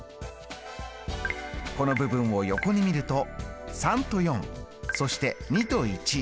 この部分を横に見ると３と４そして２と１。